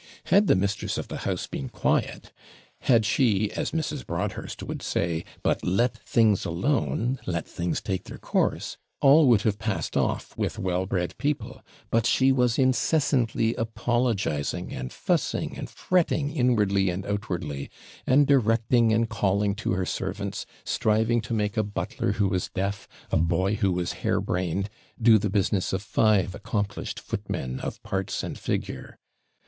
Had the mistress of the house been quiet; had she, as Mrs. Broadhurst would say, but let things alone, let things take their course, all would have passed off with well bred people; but she was incessantly apologising, and fussing, and fretting inwardly and outwardly, and directing and calling to her servants striving to make a butler who was deaf, a boy who was hare brained, do the business of five accomplished footmen of PARTS and FIGURE.